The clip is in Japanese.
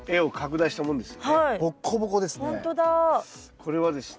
これはですね